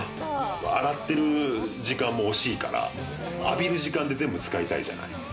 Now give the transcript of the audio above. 洗ってる時も惜しいから、浴びる時間で全部使いたいじゃない。